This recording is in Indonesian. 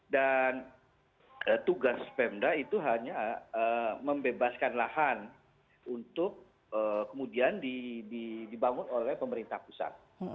dan tugas pemda itu hanya membebaskan lahan untuk kemudian dibangun oleh pemerintah pusat